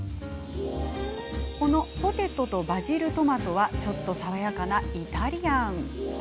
このポテトとバジルトマトはちょっと爽やかなイタリアン。